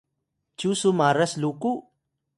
cyu su maras ruku?